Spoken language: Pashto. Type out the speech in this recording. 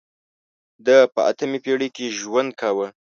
ده په اتمې پېړۍ کې ژوند کاوه.